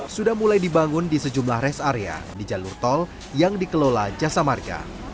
sudah mulai dibangun di sejumlah res area di jalur tol yang dikelola jasa marga